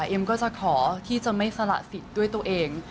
เอ็มก็จะขอที่จะไม่สละสิทธิ์ด้วยตัวเอง